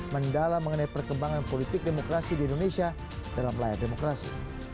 mendalam mengenai perkembangan politik demokrasi di indonesia dalam layar demokrasi